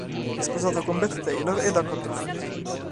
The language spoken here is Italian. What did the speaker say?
È sposato con Beth Taylor ed ha quattro figli.